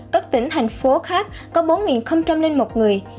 các tỉnh thành phố khác có bốn một người